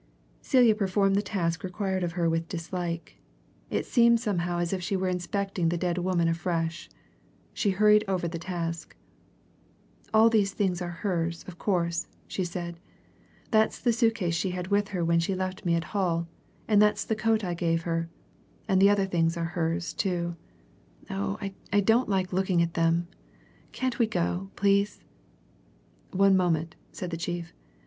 Celia performed the task required of her with dislike it seemed somehow as if she were inspecting the dead woman afresh. She hurried over the task. "All these things are hers, of course," she said. "That's the suit case she had with her when she left me at Hull, and that's the coat I gave her and the other things are hers, too. Oh I don't like looking at them. Can't we go, please?" "One moment," said the chief.